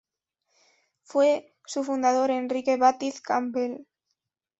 Fue su fundador Enrique Bátiz Campbell.